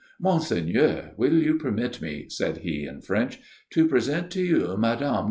"Monseigneur, will you permit me," said he, in French, "to present to you Mme.